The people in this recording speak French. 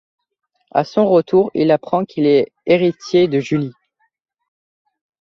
À son retour, il apprend qu'il est héritier de Julie.